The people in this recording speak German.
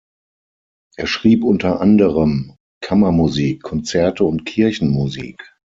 Er schrieb unter anderem Kammermusik, Konzerte und Kirchenmusik.